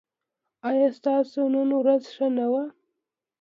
ایا ستاسو نن ورځ ښه نه وه؟